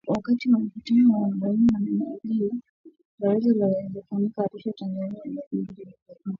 Wakati wa mkutano wa arobaini na mbili wa Baraza la Mawaziri uliofanyika Arusha, Tanzania wiki mbili zilizopita